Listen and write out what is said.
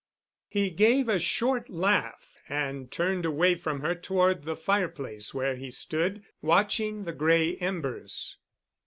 He gave a short laugh and turned away from her toward the fireplace where he stood, watching the gray embers.